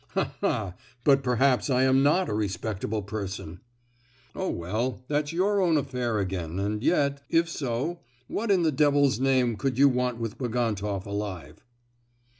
"Ha ha ha!—but perhaps I am not a respectable person!" "Oh, well, that's your own affair again and yet, if so, what in the devil's name could you want with Bagantoff alive?"